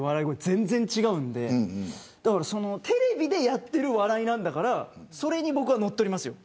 全然違うのでテレビでやってる笑いなんだからそれに僕は、のっとりますよ。